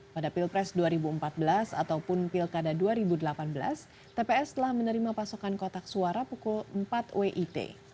pada pilpres dua ribu empat belas ataupun pilkada dua ribu delapan belas tps telah menerima pasokan kotak suara pukul empat wit